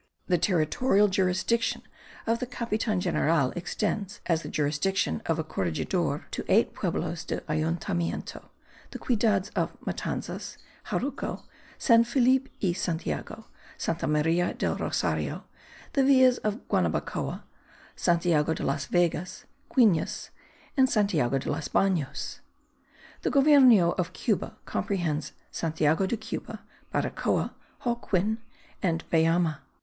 The territorial jurisdiction of the capitan general extends, as the jurisdiction of a corregidor, to eight pueblos de Ayuntamiento (the ciudades of Matanzas, Jaruco, San Felipe y Santiago, Santa Maria del Rosario; the villas of Guanabacoa, Santiago de las Vegas, Guines, and San Antonio de los Banos). The govierno of Cuba comprehends Santiago de Cuba, Baracoa, Holguin and Bayamo.